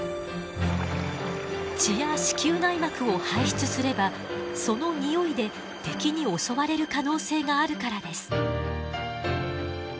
血や子宮内膜を排出すればそのにおいで敵に襲われる可能性があるからです。